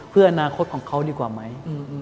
เพื่ออนาคตของเขาดีกว่าไหม